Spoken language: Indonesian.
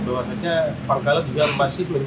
bahwasannya pangkalut juga masih berhenti